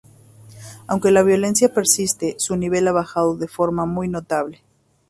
Aunque la violencia persiste, su nivel ha bajado de forma muy notable.